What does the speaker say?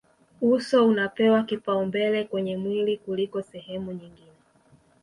uso unapewa kipaumbele kwenye mwili kuliko sehemu nyingine